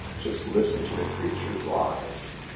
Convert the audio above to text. Just listen to the creature's lies